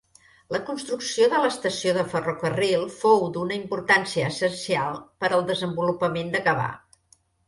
La construcció de l'estació del ferrocarril fou d'una importància essencial per al desenvolupament de Gavà.